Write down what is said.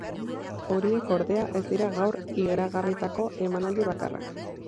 Horiek, ordea, ez dira gaur iragarritako emanaldi bakarrak.